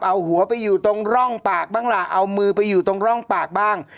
เอาหัวไปอยู่ตรงร่องปากบ้างล่ะเอามือไปอยู่ตรงร่องปากบ้าง